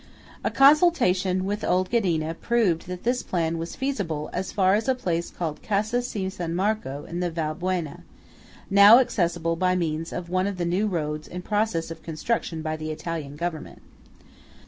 A consultation with old Ghedina proved that this plan was feasible as far as a place called the Casa di San Marco in the Val Buena, now accessible by means of one of the new roads in process of construction by the Italian Government.